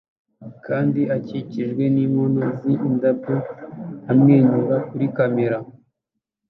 kandi akikijwe n'inkono z'indabyo amwenyura kuri kamera